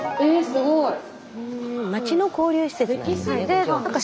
スタジオ町の交流施設なんですね。